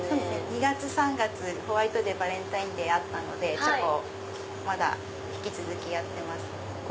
２月３月ホワイトデーバレンタインデーあったのでチョコをまだ引き続きやってます。